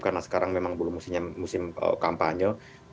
yang belum musim kampanye